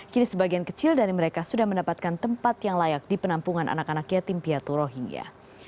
kini sebagian kecil dari mereka sudah mendapatkan tempat yang layak di penampungan anak anak yatim piatu rohingya